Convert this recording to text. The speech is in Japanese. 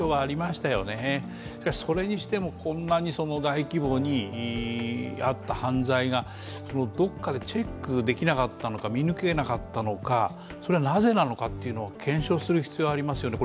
しかし、それにしても、こんなに大規模にやった犯罪がどこかでチェックできなかったのか、見抜けなかったのか、それはなぜなのかっていうのを検証する必要がありますよね。